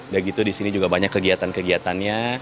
disini juga banyak kegiatan kegiatannya